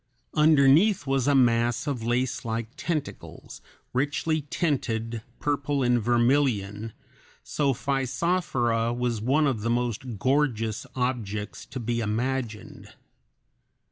Underneath was a mass of lacelike tentacles, richly tinted, purple and vermilion, so Physophora was one of the most gorgeous objects to be imagined.